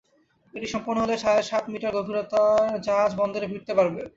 এটি সম্পন্ন হলে সাড়ে সাত মিটার গভীরতার জাহাজ বন্দরে ভিড়তে পারবে।